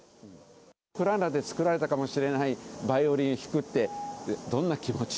ウクライナで作られたかもしれないバイオリン弾くって、どんな気持ち？